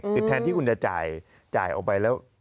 คือแทนที่คุณจะจ่ายออกไปแล้ว